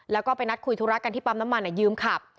แล้วก็ไปนัดคุยธุระกันที่ปั๊มน้ำมันยืมขับ